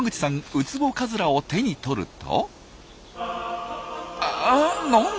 ウツボカズラを手に取るとうん？